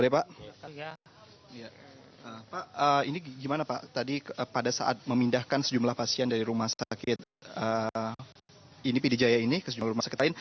pak ini gimana pak tadi pada saat memindahkan sejumlah pasien dari rumah sakit ini pd jaya ini ke sejumlah rumah sakit lain